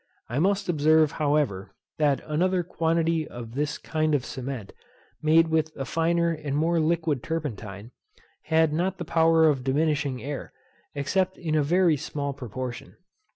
I must observe, however, that another quantity of this kind of cement, made with a finer and more liquid turpentine, had not the power of diminishing air, except in a very small proportion.